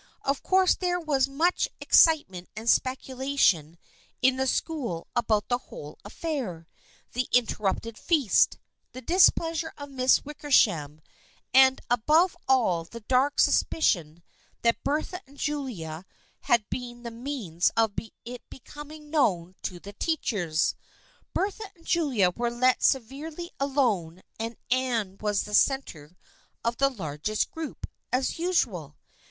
Of course there was much ex citement and speculation in the school about the whole affair ; the interrupted feast, the displeasure of Miss Wickersham, and above all the dark sus picion that Bertha and Julia had been the means of it becoming known to the teachers. Bertha and Julia were let severely alone and Anne was the centre of the largest group, as usual.